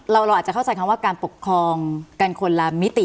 เราอาจจะเข้าใจคำว่าการปกครองกันคนละมิติ